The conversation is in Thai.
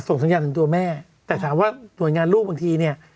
สัญญาณถึงตัวแม่แต่ถามว่าหน่วยงานลูกบางทีเนี่ย